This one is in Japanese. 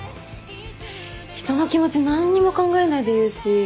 人の気持ち何にも考えないで言うし。